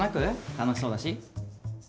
楽しそうだし？